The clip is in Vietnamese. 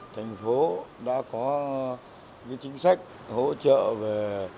thành phố đã có những chính sách hỗ trợ về